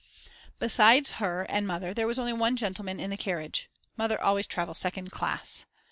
Besides her and Mother there was only one gentleman in the carriage, Mother always travels second class.